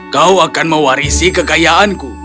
kau akan mewarisi kekayaanku